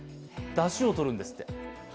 だしをとるんですって。